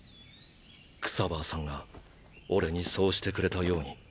クサヴァーさんが俺にそうしてくれたように。